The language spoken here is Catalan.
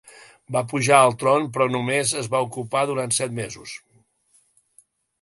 Va pujar al tron però només el va ocupar durant set mesos.